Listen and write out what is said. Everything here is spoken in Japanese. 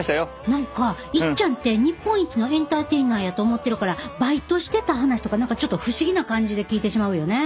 何かいっちゃんって日本一のエンターテイナーやと思ってるからバイトしてた話とか何かちょっと不思議な感じで聞いてしまうよね。